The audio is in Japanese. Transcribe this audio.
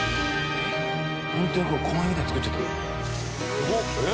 すごっ！